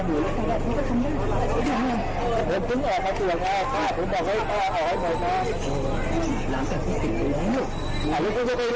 อ๋อเดี๋ยวจะไปรู้ได้ไงอ่ะมึงโทรบอกเฮ้ยใครเจ้าแต่ตาอันนี้มันติดติดแล้วไงล่ะอ่ะมึงก็โทรแล้วบอกเลย